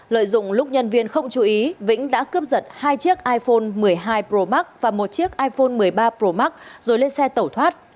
lợi dụng lúc nhân viên không chú ý vĩnh đã cướp giật hai chiếc iphone một mươi hai pro max và một chiếc iphone một mươi ba pro max rồi lên xe tẩu thoát